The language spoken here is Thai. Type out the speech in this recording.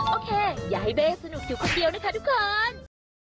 โอเคอย่าให้เบ้สนุกอยู่คนเดียวนะคะทุกคน